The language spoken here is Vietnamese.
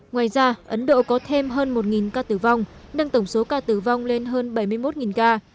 ngoài ra ấn độ có thêm hơn một ca tử vong nâng tổng số ca tử vong lên hơn bảy mươi một ca